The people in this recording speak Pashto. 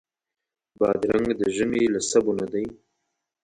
بادرنګ د ژمي له سبو نه دی.